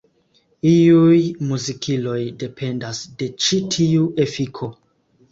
Iuj muzikiloj dependas de ĉi tiu efiko.